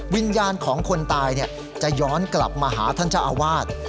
วิญญาณของคนตายจะย้อนกลับมาหาท่านเจ้าอาวาส